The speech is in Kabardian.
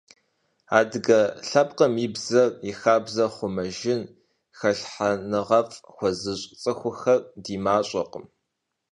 Адыгэ лъэпкъым и бзэр, и хабзэр хъумэжыным хэлъхьэныгъэфӀ хуэзыщӀ цӀыхухэр ди мащӀэкъым.